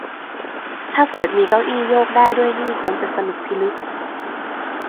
ถ้าเกิดมีเก้าอี้โยกได้ด้วยนี่คงจะสนุกพิลึก